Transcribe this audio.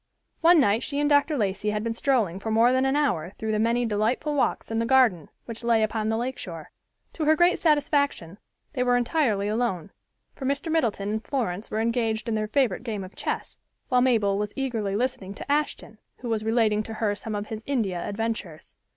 One night she and Dr. Lacey had been strolling for more than an hour through the many delightful walks in the garden, which lay upon the lake shore. To her great satisfaction, they were entirely alone, for Mr. Middleton and Florence were engaged in their favorite game of chess, while Mabel was eagerly listening to Ashton, who was relating to her some of his India adventures.